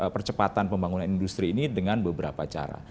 percepatan pembangunan industri ini dengan beberapa cara